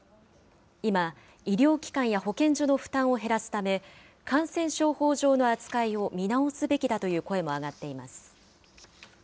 今、医療機関や保健所の負担を減らすため、感染症法上の扱いを見直すべきだという声も上がっています。